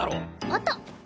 あった！